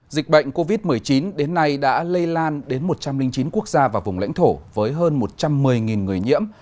dịch bệnh covid một mươi chín đến nay đã lây lan đến một trăm linh chín quốc gia và vùng lãnh thổ với hơn một trăm một mươi người nhiễm